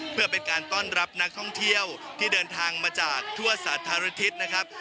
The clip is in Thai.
เพื่อเป็นการต้อนรับนักท่องเที่ยวที่เดินทางมาจากทั่วสาธารณทิศนะครับ